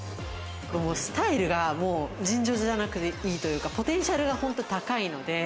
スタイルが尋常じゃなくいいというか、ポテンシャルが本当高いので。